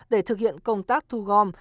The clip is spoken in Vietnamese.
để thực hiện công tác thu gom